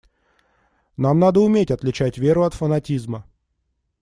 Нам надо уметь отличать веру от фанатизма.